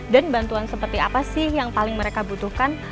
dan bantuan seperti apa sih yang paling mereka butuhkan